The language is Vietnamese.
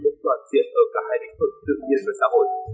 tư luận toàn diện ở cả hai lĩnh vực tự nhiên và xã hội